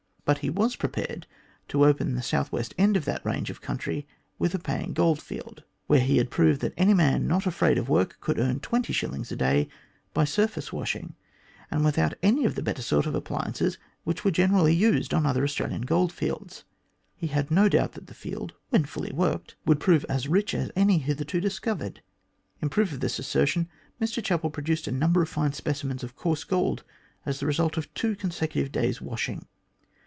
But he was prepared to open the south west end of that range of country with a paying goldfield, where he had proved that any man not afraid of work could earn twenty shillings a day by surface washing, and without any of the better sort of appliances which were generally used on the other Australian gold fields. He had no doubt that the field, when fully worked, would prove as rich as any hitherto discovered. In proof of this assertion Mr Chapel produced a number of fine speci mens of coarse gold as the result of two consecutive days* washing.